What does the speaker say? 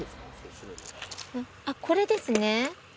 あっこれですね。